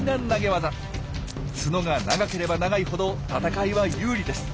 角が長ければ長いほど戦いは有利です。